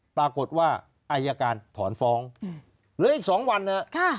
ปรากฏว่าอายการถอนฟ้องหรืออีกสองวันเนอะค่ะ